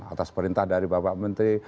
atas perintah dari bapak menteri